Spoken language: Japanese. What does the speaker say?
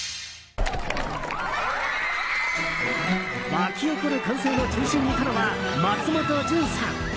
湧き起こる歓声の中心にいたのは松本潤さん。